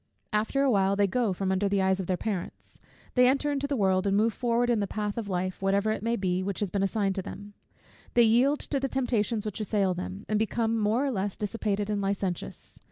After a while, they go from under the eyes of their parents; they enter into the world, and move forward in the path of life, whatever it may be, which has been assigned to them. They yield to the temptations which assail them, and become, more or less, dissipated and licentious.